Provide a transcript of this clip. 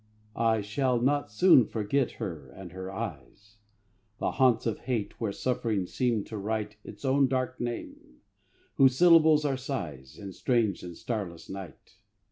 I. I shall not soon forget her and her eyes, The haunts of hate, where suffering seemed to write Its own dark name, whose syllables are sighs, In strange and starless night.